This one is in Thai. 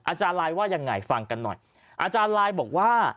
อาจารย์ลายว่ายังไงฟังกันหน่อยอาจารย์ลายบอกว่า